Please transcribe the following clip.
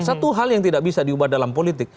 satu hal yang tidak bisa diubah dalam politik